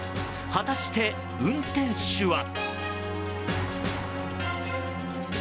果たして運転手は。